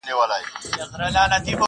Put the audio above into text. ځوانِ مرګ دي سم چي نه به در جارېږم,